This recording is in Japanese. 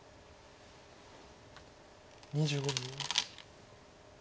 ２５秒。